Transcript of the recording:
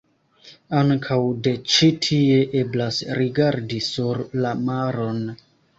Ankaŭ de ĉi-tie eblas rigardi sur la maron.